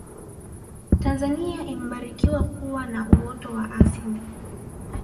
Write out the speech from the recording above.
tanzania imebarikiwa kuwa na uoto wa asili